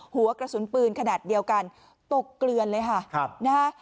หัวกระสุนปืนขนาดเดียวกันตกเกลือนเลยค่ะนะฮะ